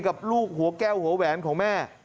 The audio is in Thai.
กับลูกหัวแก้วหัวแหวนของแม่